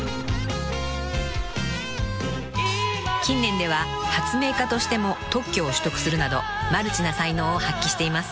［近年では発明家としても特許を取得するなどマルチな才能を発揮しています］